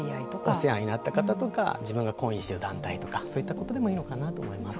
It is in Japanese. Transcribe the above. お世話になっている方とか自分が懇意にしている方とかそういったことでもいいのかなと思います。